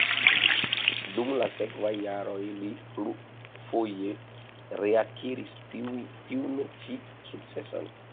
Dum la sekvaj jaroj li plurfoje reakiris tiun ĉi sukceson.